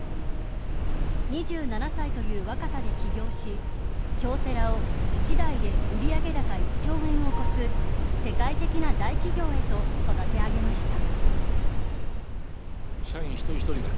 ２７歳という若さで起業し京セラを一代で売上高１兆円を超す世界的な大企業へと育て上げました。